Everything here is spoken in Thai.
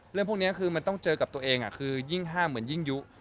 เรื่องพวกนี้คือมันต้องเจอกับตัวเองคือยิ่งห้ามเหมือนยิ่งยุ